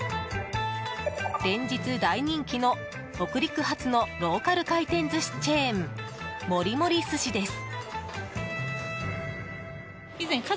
連日大人気の、北陸発のローカル回転寿司チェーンもりもり寿しです。